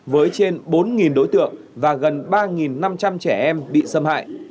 với trên bốn đối tượng và gần ba năm trăm linh trẻ em bị xâm hại